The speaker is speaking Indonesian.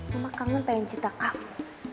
mama kangen pengen cita aku